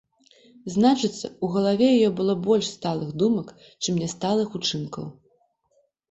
Значыцца, у галаве яе было больш сталых думак, чым нясталых учынкаў.